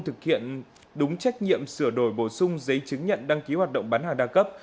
thực hiện đúng trách nhiệm sửa đổi bổ sung giấy chứng nhận đăng ký hoạt động bán hàng đa cấp